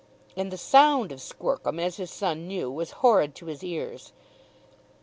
And the sound of Squercum, as his son knew, was horrid to his ears.